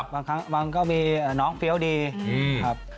บางครั้งบางก็มีน้องเฟี้ยวดีครับ